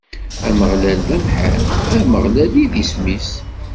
Ameɣlal d amḥareb, Ameɣlal i d isem-is.